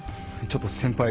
ちょっと先輩